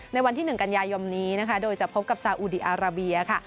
ในวันที่๑กันยายนนี้นะคะโดยจะพบกับซาอุดีอาราเบียค่ะ